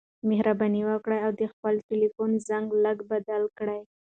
مهرباني وکړه او د خپل ټیلیفون زنګ لږ بدل کړه.